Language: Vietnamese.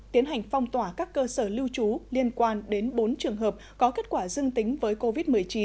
tiến hành phong tỏa các cơ sở lưu trú liên quan đến bốn trường hợp có kết quả dưng tính với covid một mươi chín